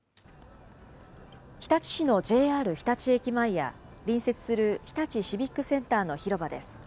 日立市のＪＲ日立駅前や、隣接する日立シビックセンターの広場です。